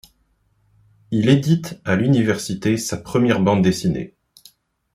Il édite à l'université sa première bande dessinée.